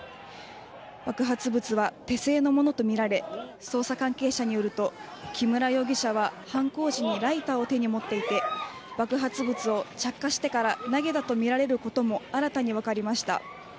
爆発物は手製のものと見られ、捜査関係者によると、木村容疑者は犯行時にライターを手に持っていて、爆発物を着火してから投げたと見られることも新たに分かりました。